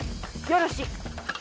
よろしい。